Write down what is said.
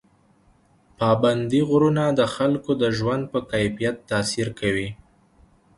پابندي غرونه د خلکو د ژوند په کیفیت تاثیر کوي.